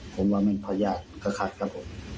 ผมว่ามันพยายามกระคัดครับ